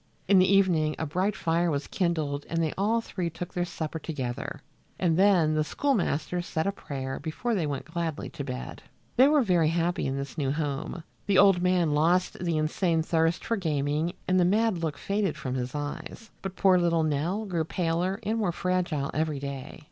In the evening a bright fire was kindled and they all three took their supper together, and then the schoolmaster said a prayer before they went gladly to bed. They were very happy in this new home. The old man lost the insane thirst for gaming and the mad look faded from his eyes, but poor little Nell grew paler and more fragile every day.